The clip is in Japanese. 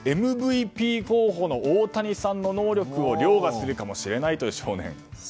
ＭＶＰ候補の大谷さんの能力を凌駕するかもしれないという少年。